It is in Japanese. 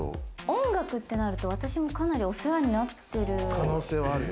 音楽ってなってると、私もかなりお世話になってる？